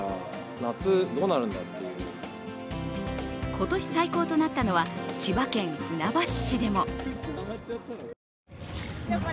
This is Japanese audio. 今年最高となったのは千葉県船橋市でも。